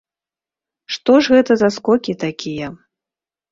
Што ж гэта за скокі такія?